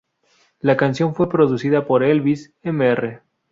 La canción fue producida por Elvis "Mr.